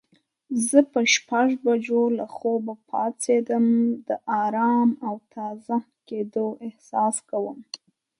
زه په شپږ بجو له خوبه پاڅیدم د آرام او تازه کیدو احساس کوم.